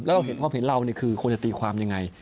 แล้วเราเห็นความเห็นเราคือควรจะตีความยังไง